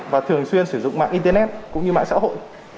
và thường xuyên sử dụng mạng internet cũng như mạng xã hội